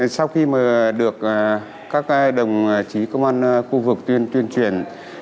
sau khi được các đồng chí công an khu vực tuyên truyền